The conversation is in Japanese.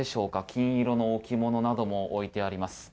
金色の置物なども置いてあります。